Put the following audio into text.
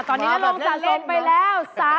ตอนนี้ก็ลงจากส่งไปแล้ว๓๕๐๐๐บาท